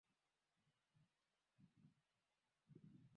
Mwaka wa elfu moja mia tisa sabini na nane